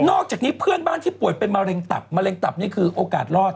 อกจากนี้เพื่อนบ้านที่ป่วยเป็นมะเร็งตับมะเร็งตับนี่คือโอกาสรอด